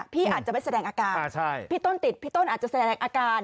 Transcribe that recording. พี่อาจจะไม่แสดงอาการพี่ต้นติดพี่ต้นอาจจะแสดงอาการ